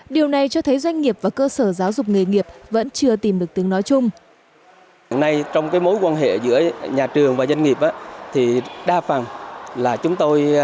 điều này cho thấy doanh nghiệp và cơ sở giáo dục nghề nghiệp vẫn chưa tìm được tiếng nói chung